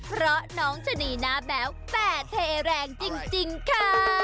เพราะน้องชนีนาแบบแปลกเทแรงจริงค่ะ